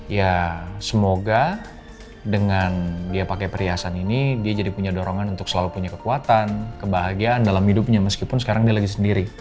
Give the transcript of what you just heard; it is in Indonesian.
ya semoga dengan dia pakai perhiasan ini dia jadi punya dorongan untuk selalu punya kekuatan kebahagiaan dalam hidupnya meskipun sekarang dia lagi sendiri